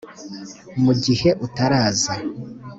mu gihe utaraza.